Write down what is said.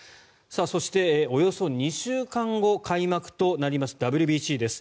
そして、およそ２週間後開幕となりますＷＢＣです。